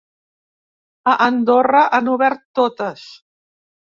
A Andorra han obert totes.